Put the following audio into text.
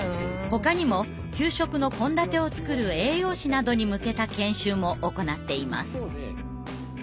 ほかにも給食の献立を作る栄養士などに向けた研修も行っています。